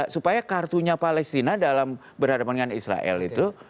supaya kartunya palestina dalam berhadapan dengan israel itu